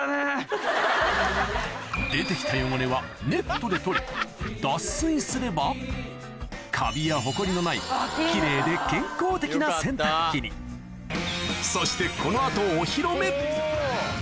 出て来た汚れはネットで取り脱水すればカビやホコリのない奇麗で健康的な洗濯機にそしてこの後お披露目おぉ！